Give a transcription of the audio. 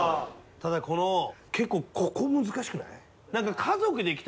ただこの結構ここ難しくない？